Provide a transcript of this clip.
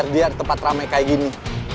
biar tempat rame kayak gini